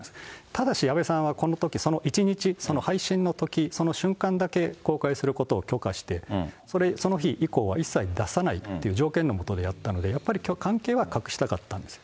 ただし、安倍さんはこのとき、この１日、配信のとき、その瞬間だけ公開することを許可して、その日以降は一切出さないっていう条件のもとでやったので、やっぱり関係は隠したかったんです。